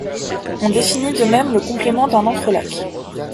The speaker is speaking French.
On définit de même le complément d'un entrelacs.